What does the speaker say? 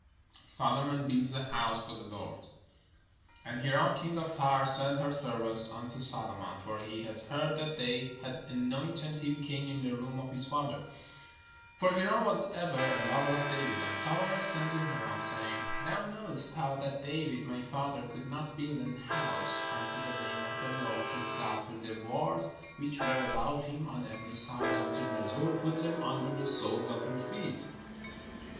SOLOMON BUILDS A HOUSE FOR THE LORD And Hiram king of Tyre sent his servants unto Solo mon ; for he had heard that they had anointed him king in the room of his father : for Hiram was ever a lover of David. And Solomon sent to Hiram, saying, "Thou knowest how that David my father could not build an house unto the name of the Lord his God for the wars which were about him on every side, until the Lord put them under the soles of his feet.